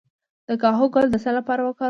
د کاهو ګل د څه لپاره وکاروم؟